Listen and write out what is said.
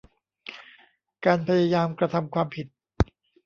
การพยายามกระทำความผิด